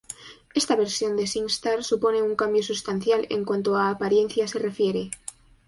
Esta versión de SingStar supone un cambio sustancial en cuanto a apariencia se refiere.